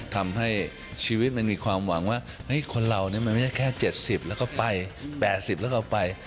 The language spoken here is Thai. ทำให้ชีวิตมันมีความหวังว่าคนเรามันไม่ใช่แค่๗๐แล้วก็ไป๘๐แล้วก็ไป